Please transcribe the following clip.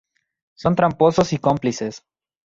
Son tramposos y cómplices".